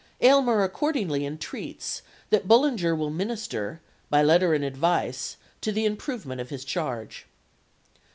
Aylmer accordingly entreats that Bullinger will minister, by letter and advice, to the improvement of his charge.